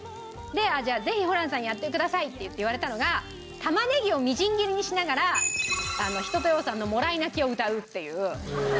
じゃあぜひホランさんやってくださいって言われたのが玉ねぎをみじん切りにしながら一青窈さんの『もらい泣き』を歌うっていう。